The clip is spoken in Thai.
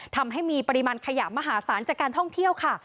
ทำให้มีปริมาณขยะมหาศาลจากการท่องเที่ยวค่ะ